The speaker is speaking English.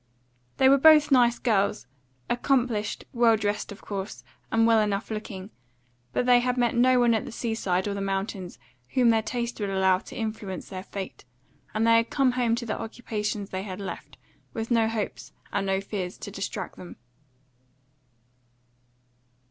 They were both nice girls, accomplished, well dressed of course, and well enough looking; but they had met no one at the seaside or the mountains whom their taste would allow to influence their fate, and they had come home to the occupations they had left, with no hopes and no fears to distract them.